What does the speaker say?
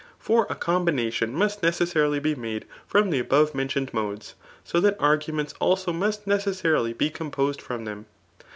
For a combinarion must necessarily be made from the above mendoned modes; so that arguments also must necessarily be composed from them.